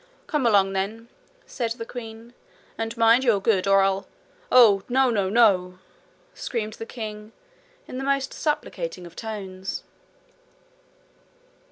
'Come along, then,' said the queen; 'and mind you are good, or I'll ' 'Oh, no, no, no!' screamed the king in the most supplicating of tones.